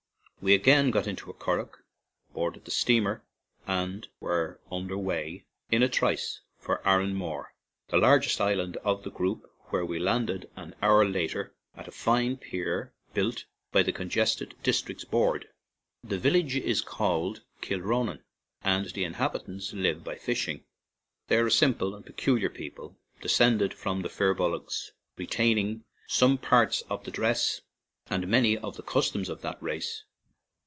We again got into a curragh, boarded the steamer, and were under way in a trice for Aranmore, the largest island of the group, where we landed an hour later at a fine pier built by the Congested Dis tricts Board. The village is called Kil ronan, and the inhabitants live by fish ing. They are a simple and peculiar people, descended from the Firbolgs, re taining some parts of the dress and many of the customs of that race.